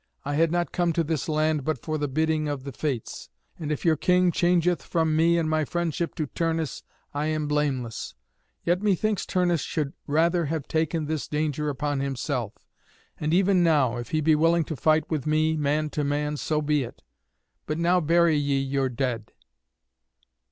I had not come to this land but for the bidding of the Fates. And if your king changeth from me and my friendship to Turnus, I am blameless. Yet methinks Turnus should rather have taken this danger upon himself. And even now, if he be willing to fight with me, man to man, so be it. But now bury ye your dead."